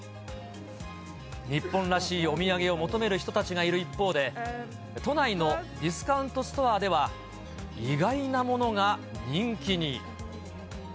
日本らしいお土産を求める人たちがいる一方で、都内のディスカウントストアでは、意外なものが人気に。